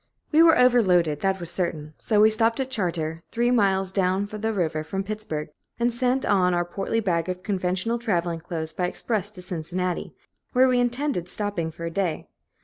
We were overloaded, that was certain; so we stopped at Chartier, three miles down the river from Pittsburg, and sent on our portly bag of conventional traveling clothes by express to Cincinnati, where we intend stopping for a day.